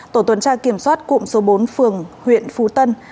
tổ tuần tra kiểm soát cụm số bốn phường huyện phú tân